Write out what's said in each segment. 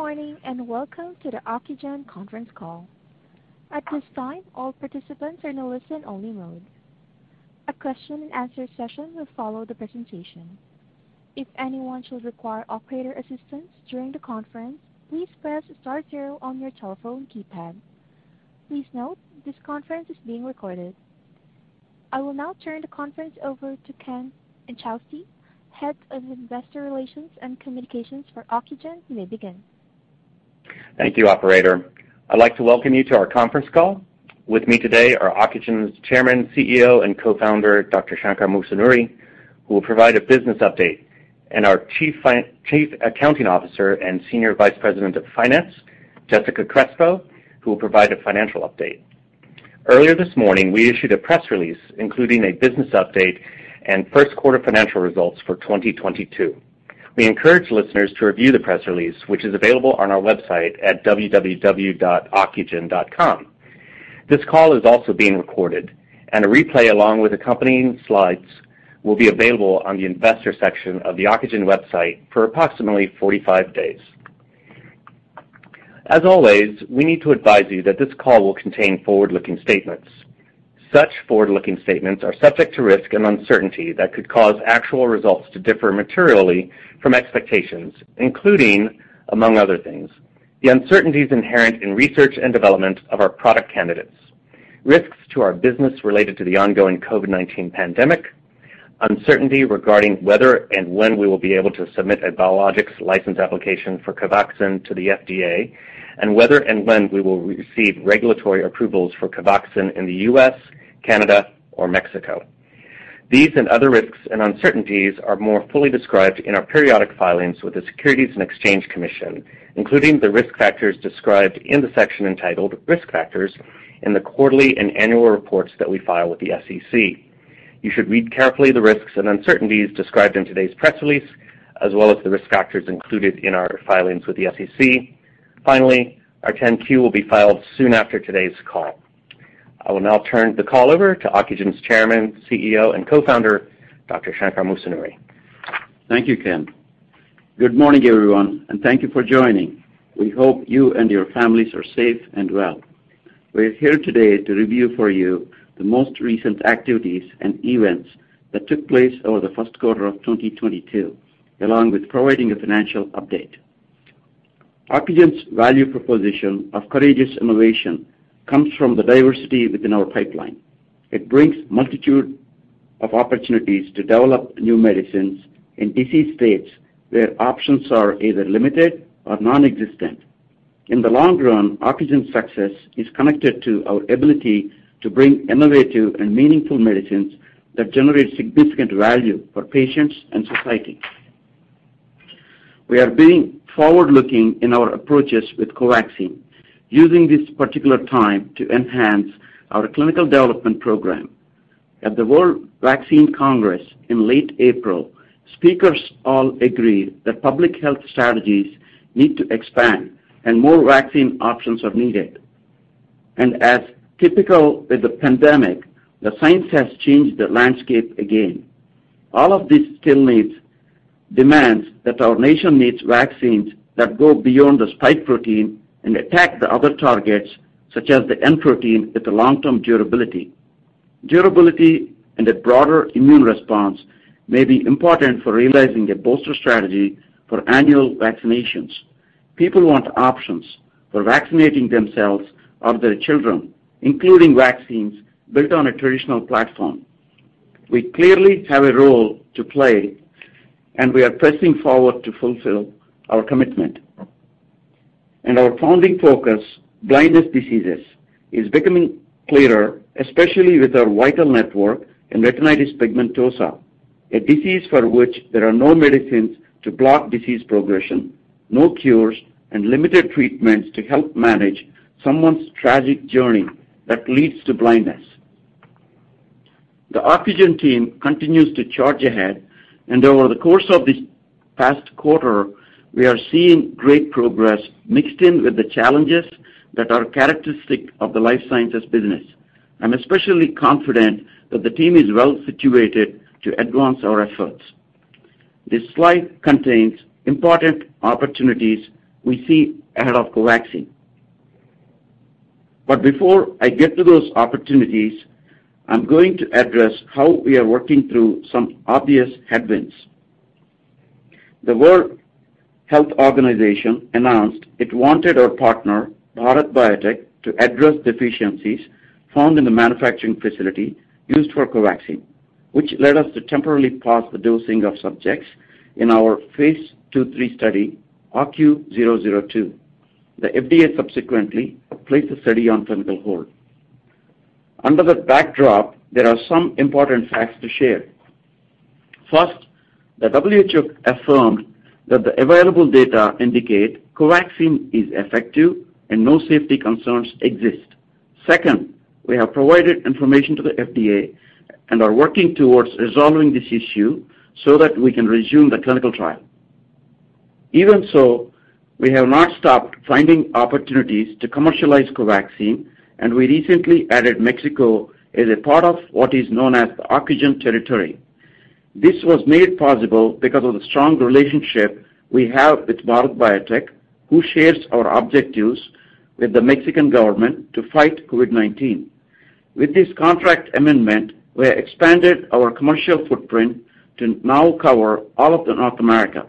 Good morning, and welcome to the Ocugen conference call. At this time, all participants are in listen-only mode. A question and answer session will follow the presentation. If anyone should require operator assistance during the conference, please press star zero on your telephone keypad. Please note this conference is being recorded. I will now turn the conference over to Ken Inchausti, Head of Investor Relations and Communications for Ocugen. You may begin. Thank you, operator. I'd like to welcome you to our conference call. With me today are Ocugen's Chairman, CEO, and Co-founder, Dr. Shankar Musunuri, who will provide a business update, and our Chief Accounting Officer and Senior Vice President of Finance, Jessica Crespo, who will provide a financial update. Earlier this morning, we issued a press release including a business update and Q1 financial results for 2022. We encourage listeners to review the press release, which is available on our website at www.ocugen.com. This call is also being recorded, and a replay along with accompanying slides will be available on the investor section of the Ocugen website for approximately 45 days. As always, we need to advise you that this call will contain forward-looking statements. Such forward-looking statements are subject to risk and uncertainty that could cause actual results to differ materially from expectations, including, among other things, the uncertainties inherent in research and development of our product candidates, risks to our business related to the ongoing COVID-19 pandemic, uncertainty regarding whether and when we will be able to submit a biologics license application for Covaxin to the FDA and whether and when we will receive regulatory approvals for Covaxin in the US, Canada, or Mexico. These and other risks and uncertainties are more fully described in our periodic filings with the Securities and Exchange Commission, including the risk factors described in the section entitled Risk Factors in the quarterly and annual reports that we file with the SEC. You should read carefully the risks and uncertainties described in today's press release, as well as the risk factors included in our filings with the SEC. Finally, our 10-Q will be filed soon after today's call. I will now turn the call over to Ocugen's Chairman, CEO, and Co-Founder, Dr. Shankar Musunuri. Thank you, Ken. Good morning, everyone, and thank you for joining. We hope you and your families are safe and well. We're here today to review for you the most recent activities and events that took place over the Q1 of 2022, along with providing a financial update. Ocugen's value proposition of courageous innovation comes from the diversity within our pipeline. It brings multitude of opportunities to develop new medicines in disease states where options are either limited or non-existent. In the long run, Ocugen's success is connected to our ability to bring innovative and meaningful medicines that generate significant value for patients and society. We are being forward-looking in our approaches with Covaxin, using this particular time to enhance our clinical development program. At the World Vaccine Congress in late April, speakers all agreed that public health strategies need to expand and more vaccine options are needed. As typical with the pandemic, the science has changed the landscape again. All of this still underscores the demands that our nation needs vaccines that go beyond the spike protein and attack the other targets, such as the N protein, with the long-term durability. Durability and a broader immune response may be important for realizing a booster strategy for annual vaccinations. People want options for vaccinating themselves or their children, including vaccines built on a traditional platform. We clearly have a role to play, and we are pressing forward to fulfill our commitment. Our founding focus, blindness diseases, is becoming clearer, especially with our vital network in retinitis pigmentosa, a disease for which there are no medicines to block disease progression, no cures, and limited treatments to help manage someone's tragic journey that leads to blindness. The Ocugen team continues to charge ahead, and over the course of this past quarter, we are seeing great progress mixed in with the challenges that are characteristic of the life sciences business. I'm especially confident that the team is well situated to advance our efforts. This slide contains important opportunities we see ahead of Covaxin. Before I get to those opportunities, I'm going to address how we are working through some obvious headwinds. The World Health Organization announced it wanted our partner, Bharat Biotech, to address deficiencies found in the manufacturing facility used for Covaxin, which led us to temporarily pause the dosing of subjects in our phase 2/3 study, OCU-002. The FDA subsequently placed the study on clinical hold. Under the backdrop, there are some important facts to share. First, the WHO affirmed that the available data indicate Covaxin is effective, and no safety concerns exist. Second, we have provided information to the FDA and are working towards resolving this issue so that we can resume the clinical trial. Even so, we have not stopped finding opportunities to commercialize Covaxin, and we recently added Mexico as a part of what is known as the Ocugen territory. This was made possible because of the strong relationship we have with Bharat Biotech, who shares our objectives with the Mexican government to fight COVID-19. With this contract amendment, we have expanded our commercial footprint to now cover all of North America.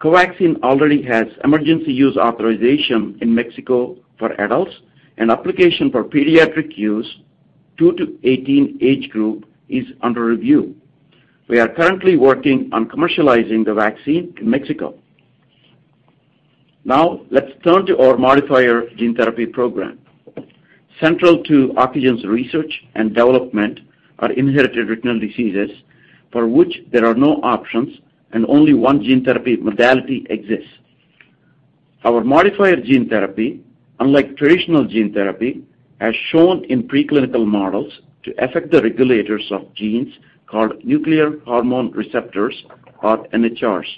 Covaxin already has emergency use authorization in Mexico for adults and application for pediatric use 2 to 18 age group is under review. We are currently working on commercializing the vaccine in Mexico. Now let's turn to our modifier gene therapy program. Central to Ocugen's research and development are inherited retinal diseases for which there are no options and only one gene therapy modality exists. Our modifier gene therapy, unlike traditional gene therapy, has shown in pre-clinical models to affect the regulators of genes called nuclear hormone receptors or NHRs.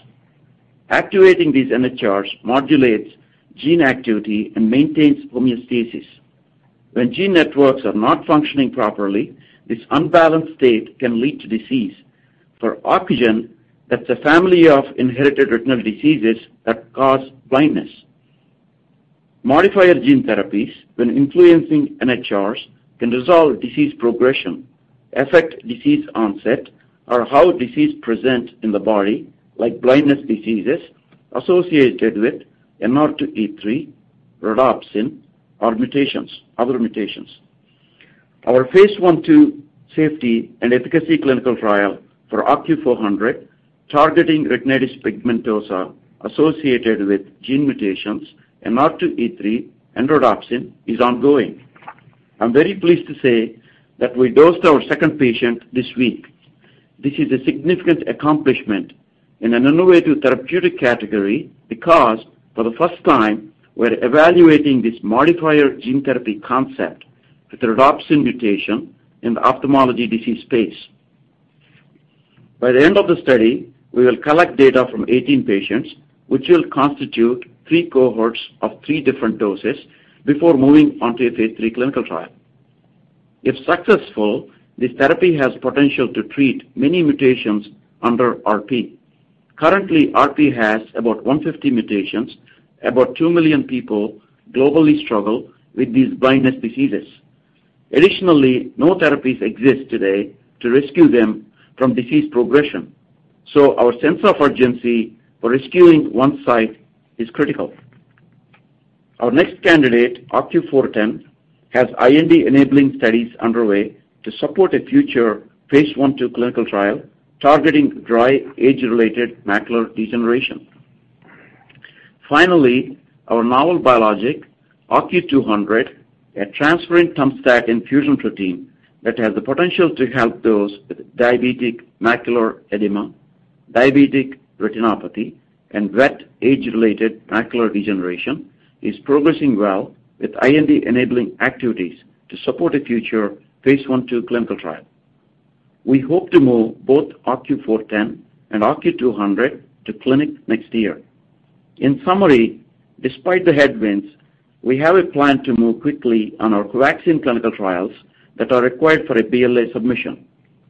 Activating these NHRs modulates gene activity and maintains homeostasis. When gene networks are not functioning properly, this unbalanced state can lead to disease. For Ocugen, that's a family of inherited retinal diseases that cause blindness. Modifier gene therapies, when influencing NHRs, can resolve disease progression, affect disease onset, or how disease present in the body, like blindness diseases associated with NR2E3, rhodopsin, or mutations, other mutations. Our Phase I, II safety and efficacy clinical trial for OCU400 targeting retinitis pigmentosa associated with gene mutations NR2E3 and rhodopsin is ongoing. I'm very pleased to say that we dosed our second patient this week. This is a significant accomplishment in an innovative therapeutic category because for the first time, we're evaluating this modifier gene therapy concept with the rhodopsin mutation in the ophthalmology disease space. By the end of the study, we will collect data from 18 patients which will constitute three cohorts of three different doses before moving on to a Phase III clinical trial. If successful, this therapy has potential to treat many mutations under RP. Currently, RP has about 150 mutations. About two million people globally struggle with these blindness diseases. Additionally, no therapies exist today to rescue them from disease progression, so our sense of urgency for rescuing eyesight is critical. Our next candidate, OCU410, has IND-enabling studies underway to support a future phase I/II clinical trial targeting dry age-related macular degeneration. Finally, our novel biologic, OCU200, a transferrin-tumstatin fusion protein that has the potential to help those with diabetic macular edema, diabetic retinopathy, and wet age-related macular degeneration, is progressing well with IND-enabling activities to support a future phase I/II clinical trial. We hope to move both OCU410 and OCU200 to clinic next year. In summary, despite the headwinds, we have a plan to move quickly on our Covaxin clinical trials that are required for a BLA submission.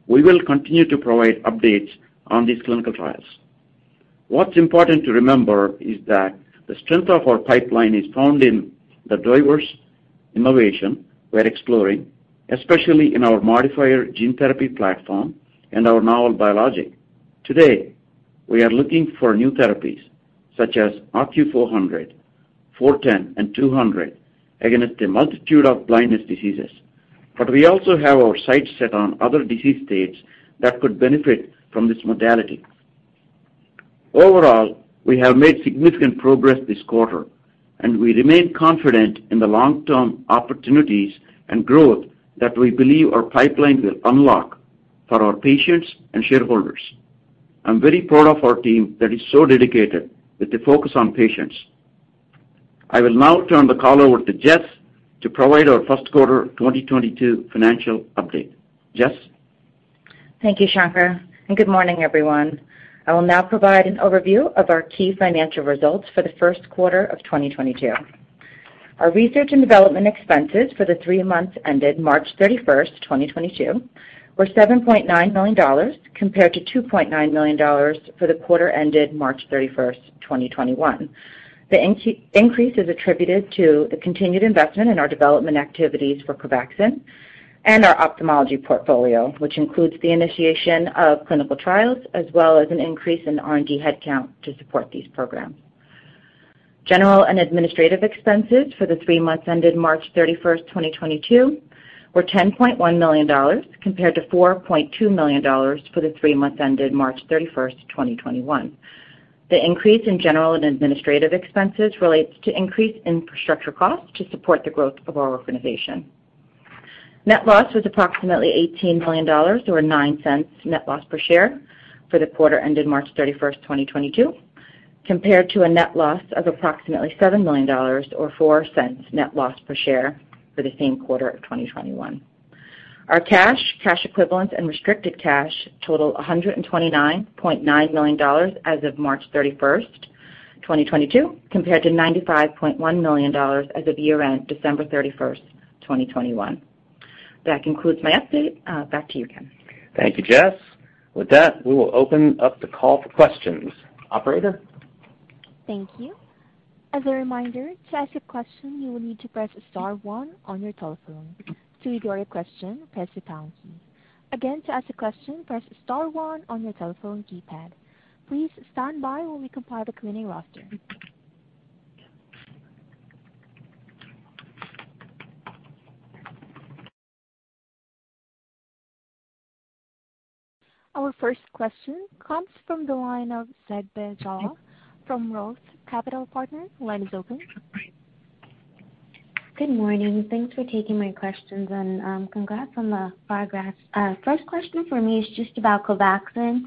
We will continue to provide updates on these clinical trials. What's important to remember is that the strength of our pipeline is found in the diverse innovation we're exploring, especially in our modifier gene therapy platform and our novel biologic. Today, we are looking for new therapies such as OCU400, OCU410, and OCU200 against a multitude of blindness diseases. We also have our sights set on other disease states that could benefit from this modality. Overall, we have made significant progress this quarter, and we remain confident in the long-term opportunities and growth that we believe our pipeline will unlock for our patients and shareholders. I'm very proud of our team that is so dedicated with the focus on patients. I will now turn the call over to Jess to provide our Q1 2022 financial update. Jess? Thank you, Shankar, and good morning, everyone. I will now provide an overview of our key financial results for the Q1 of 2022. Our research and development expenses for the three months ended March 31st, 2022 were $7.9 million compared to $2.9 million for the quarter ended March 31st, 2021. The increase is attributed to the continued investment in our development activities for Covaxin and our ophthalmology portfolio, which includes the initiation of clinical trials as well as an increase in R&D headcount to support these programs. General and administrative expenses for the three months ended March 31, 2022 were $10.1 million compared to $4.2 million for the three months ended March 31st, 2021. The increase in general and administrative expenses relates to increased infrastructure costs to support the growth of our organization. Net loss was approximately $18 million or $0.09 net loss per share for the quarter ended March 31st, 2022, compared to a net loss of approximately $7 million or $0.04 net loss per share for the same quarter of 2021. Our cash equivalents, and restricted cash total $129.9 million as of March 31st, 2022 compared to $95.1 million as of year-end December 31st, 2021. That concludes my update. Back to you, Ken. Thank you, Jess. With that, we will open up the call for questions. Operator? Thank you. As a reminder, to ask a question, you will need to press star one on your telephone. To ignore your question, press the pound key. Again, to ask a question, press star one on your telephone keypad. Please stand by while we compile the Q&A roster. Our first question comes from the line of Zegbeh Jallah from ROTH Capital Partners. Line is open. Good morning. Thanks for taking my questions and congrats on the progress. First question for me is just about Covaxin.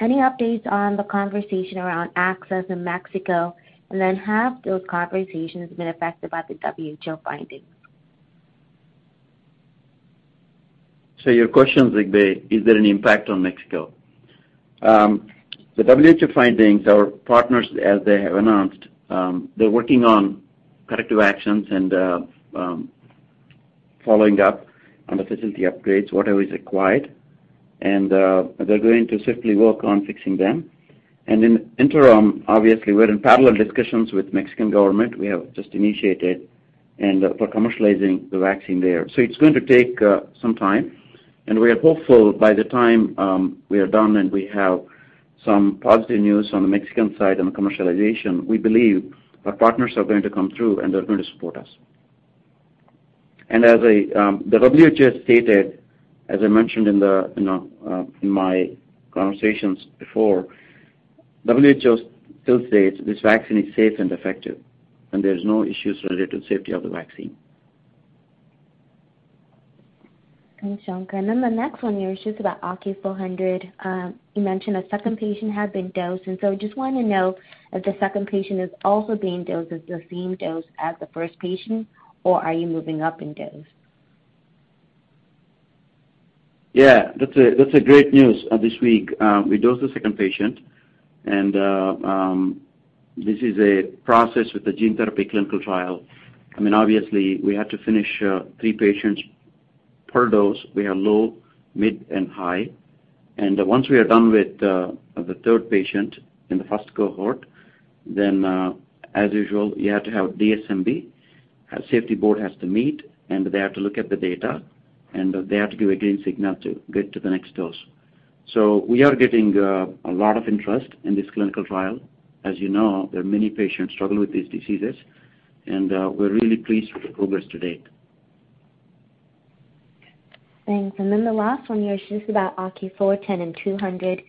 Any updates on the conversation around access in Mexico? Have those conversations been affected by the WHO findings? Your question, Zegbeh, is there an impact on Mexico? The WHO findings, our partners, as they have announced, they're working on corrective actions and, following up on the facility upgrades, whatever is required. They're going to simply work on fixing them. In the interim, obviously we're in parallel discussions with Mexican government. We have just initiated and for commercializing the vaccine there. It's going to take some time, and we are hopeful by the time we are done and we have some positive news on the Mexican side on the commercialization, we believe our partners are going to come through and they're going to support us. As the WHO stated, as I mentioned, you know, in my conversations before, WHO still states this vaccine is safe and effective and there's no issues related to safety of the vaccine. Thanks, Shankar. The next one here is just about OCU400. You mentioned a second patient had been dosed, and so just wanna know if the second patient is also being dosed as the same dose as the first patient or are you moving up in dose? Yeah, that's great news this week. We dosed the second patient and this is a process with the gene therapy clinical trial. I mean, obviously we had to finish three patients per dose. We have low, mid, and high. Once we are done with the third patient in the 1st cohort, then as usual, you have to have DSMB, our safety board has to meet and they have to look at the data, and they have to give a green signal to get to the next dose. We are getting a lot of interest in this clinical trial. As you know, there are many patients struggling with these diseases and we're really pleased with the progress to date. Thanks. Then the last one here is just about OCU400 and OCU200.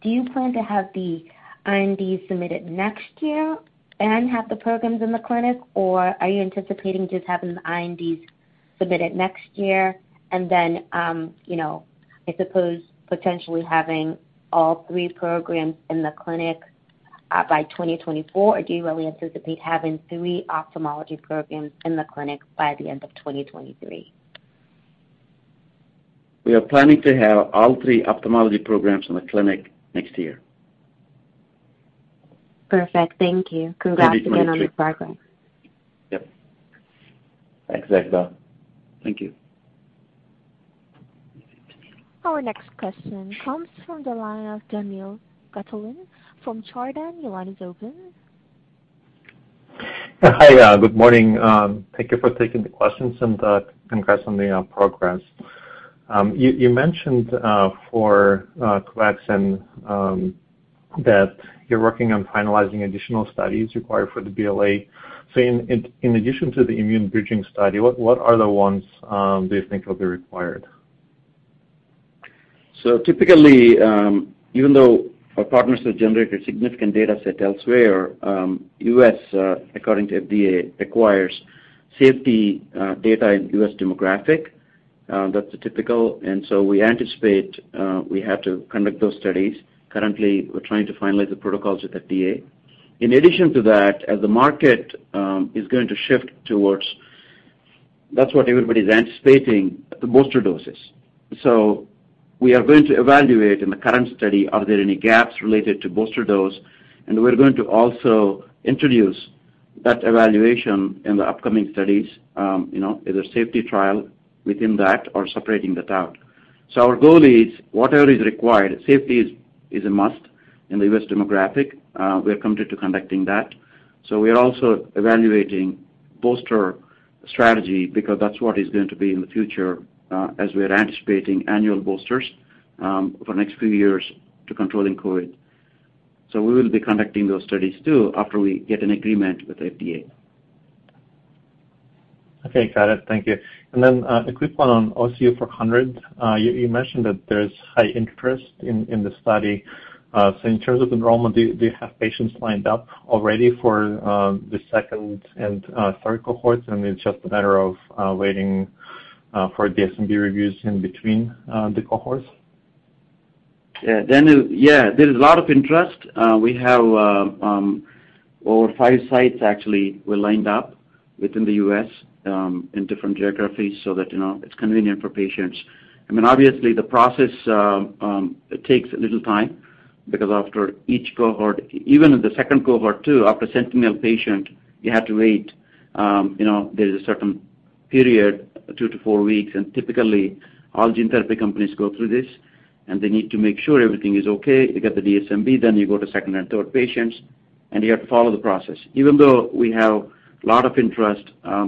Do you plan to have the IND submitted next year and have the programs in the clinic, or are you anticipating just having the INDs submitted next year and then, I suppose potentially having all three programs in the clinic, by 2024? Or do you really anticipate having three ophthalmology programs in the clinic by the end of 2023? We are planning to have all three ophthalmology programs in the clinic next year. Perfect. Thank you. Maybe 23. Congrats again on the progress. Yep. Thanks, Zegbeh. Thank you. Our next question comes from the line of Daniil Gataulin from Chardan. Your line is open. Hi. Good morning. Thank you for taking the questions and congrats on the progress. You mentioned for Covaxin that you're working on finalizing additional studies required for the BLA. In addition to the immune bridging study, what are the ones do you think will be required? Typically, even though our partners have generated significant data set elsewhere, U.S., according to FDA, requires safety, data in U.S. demographic. That's the typical. We anticipate we have to conduct those studies. Currently, we're trying to finalize the protocols with FDA. In addition to that, as the market is going to shift towards, that's what everybody's anticipating, the booster doses. We are going to evaluate in the current study are there any gaps related to booster dose, and we're going to also introduce that evaluation in the upcoming studies, you know, as a safety trial within that or separating that out. Our goal is whatever is required, safety is a must in the U.S. demographic. We're committed to conducting that. We are also evaluating booster strategy because that's what is going to be in the future, as we're anticipating annual boosters, for next few years to controlling COVID. We will be conducting those studies too after we get an agreement with FDA. Okay. Got it. Thank you. A quick one on OCU400. You mentioned that there's high interest in the study. In terms of enrollment, do you have patients lined up already for the second and third cohorts, and it's just a matter of waiting for DSMB reviews in between the cohorts? Yeah. Yeah, there is a lot of interest. We have over five sites actually were lined up within the US, in different geographies so that, you know, it's convenient for patients. I mean, obviously, the process takes a little time because after each cohort, even in the second cohort too, after sentinel patient, you have to wait. You know, there's a certain period, two to four weeks, and typically all gene therapy companies go through this, and they need to make sure everything is okay. You get the DSMB, then you go to second and third patients, and you have to follow the process. Even though we have a lot of interest,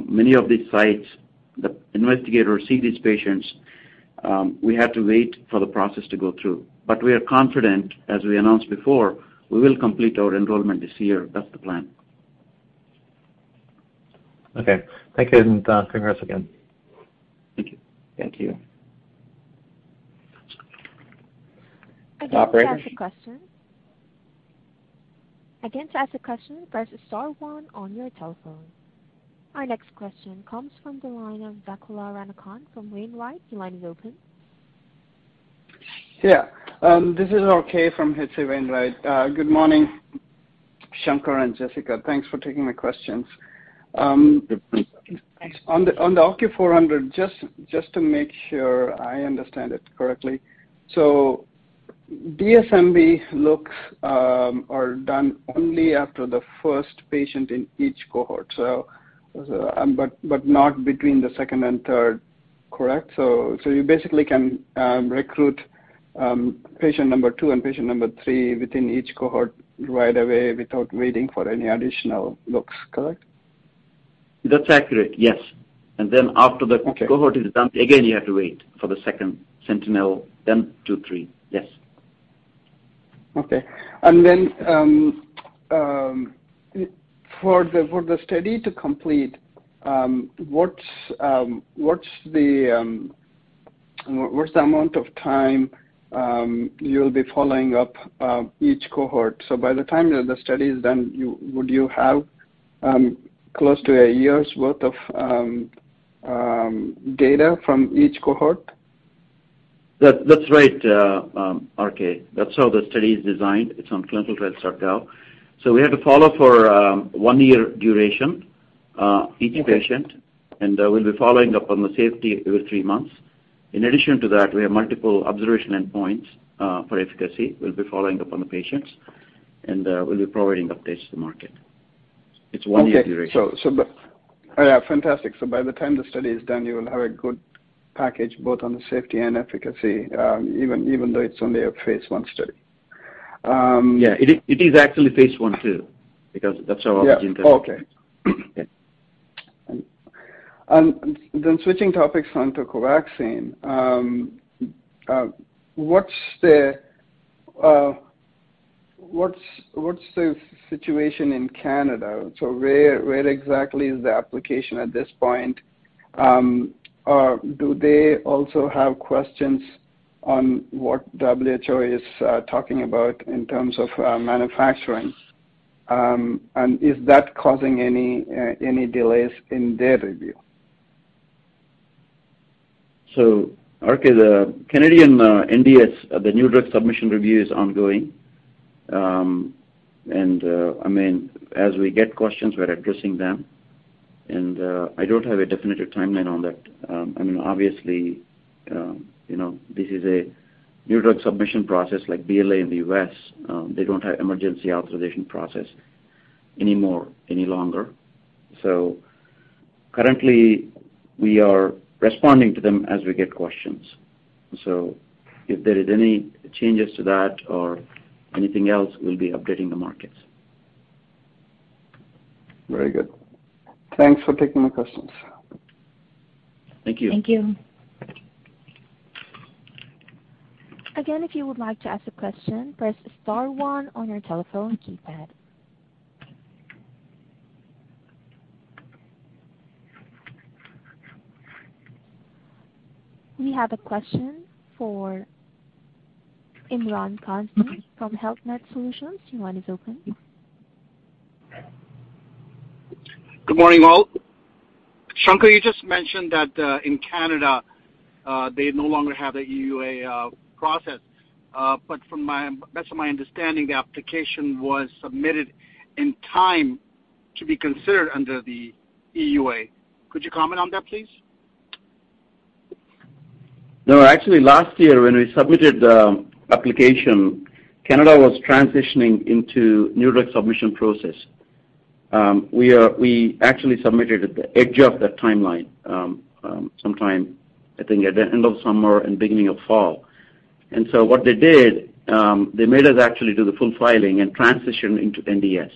many of these sites, the investigators see these patients, we have to wait for the process to go through. We are confident, as we announced before, we will complete our enrollment this year. That's the plan. Okay. Thank you, and, congrats again. Thank you. Thank you. To ask a question, press star one on your telephone. Our next question comes from the line of Swayampakula Ramakanth from H.C. Wainwright & Co. Your line is open. Yeah. This is RK from H.C. Wainwright & Co. Good morning, Shankar and Jessica. Thanks for taking my questions. Good morning. On the OCU400, just to make sure I understand it correctly. DSMB looks are done only after the first patient in each cohort. Not between the second and third, correct? You basically can recruit patient number two and patient number three within each cohort right away without waiting for any additional looks, correct? That's accurate, yes. Okay. Cohort is done, again, you have to wait for the second sentinel, then two, three. Yes. Okay. For the study to complete, what's the amount of time you'll be following up each cohort? By the time that the study is done, would you have close to a year's worth of data from each cohort? That's right, RK. That's how the study is designed. It's on ClinicalTrials.gov. We have to follow for one year duration each patient, and we'll be following up on the safety every three months. In addition to that, we have multiple observational endpoints for efficacy. We'll be following up on the patients, and we'll be providing updates to the market. It's one year duration. Yeah, fantastic. By the time the study is done, you will have a good package both on the safety and efficacy, even though it's only a phase 1 study. Yeah, it is actually phase one too, because that's how our gene therapy is. Yeah. Okay. switching topics on to Covaxin, what's the situation in Canada? Where exactly is the application at this point? Do they also have questions on what WHO is talking about in terms of manufacturing? Is that causing any delays in their review? RK, the Canadian NDS, the New Drug Submission review is ongoing. I mean, as we get questions, we're addressing them. I don't have a definitive timeline on that. I mean, obviously, you know, this is a new drug submission process like BLA in the US. They don't have emergency authorization process anymore, any longer. Currently, we are responding to them as we get questions. If there is any changes to that or anything else, we'll be updating the markets. Very good. Thanks for taking my questions. Thank you. Thank you. Again, if you would like to ask a question, press star one on your telephone keypad. We have a question for Imran Kazmi from Health Net Solutions. Your line is open. Good morning, all. Shankar, you just mentioned that, in Canada, they no longer have the EUA process. From my best of my understanding, the application was submitted in time to be considered under the EUA. Could you comment on that, please? No, actually, last year when we submitted the application, Canada was transitioning into New Drug Submission process. We actually submitted at the edge of that timeline, sometime, I think, at the end of summer and beginning of fall. What they did, they made us actually do the full filing and transition into NDS.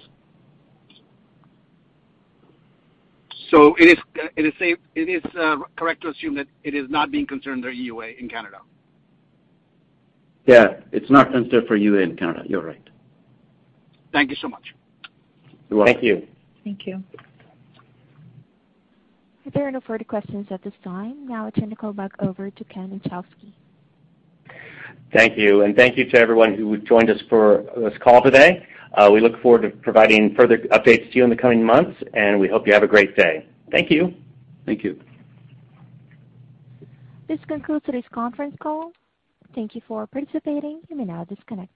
It is correct to assume that it is not being considered a EUA in Canada? Yeah. It's not considered for EUA in Canada. You're right. Thank you so much. You're welcome. Thank you. Thank you. There are no further questions at this time. Now I turn the call back over to Ken Inchausti. Thank you. Thank you to everyone who joined us for this call today. We look forward to providing further updates to you in the coming months, and we hope you have a great day. Thank you. Thank you. This concludes today's conference call. Thank you for participating. You may now disconnect.